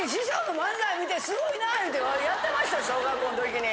言うてやってましたよ小学校の時に。